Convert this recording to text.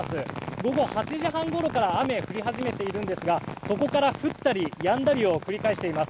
午後８時半ごろから雨が降り始めているんですがそこから降ったりやんだりを繰り返しています。